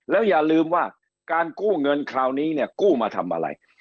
แล้วอย่าลืมว่าการกู้เงินคราวนี้เนี่ยกู้มาทำอะไร